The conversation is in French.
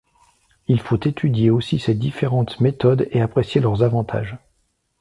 Il faut étudier aussi ces différentes méthodes et apprécier leurs avantages.